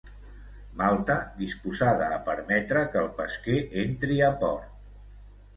Malta disposada a permetre que el pesquer entri a port